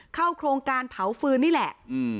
เข้าโครงการเผาฟืนนี่แหละ